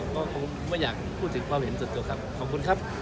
ก็คงไม่อยากพูดถึงความเห็นส่วนตัวครับขอบคุณครับ